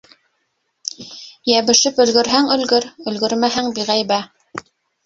Йәбешеп өлгөрһәң, өлгөр; өлгөрмәһәң, биғәйбә.